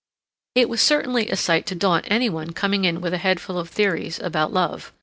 It was certainly a sight to daunt any one coming in with a head full of theories about love.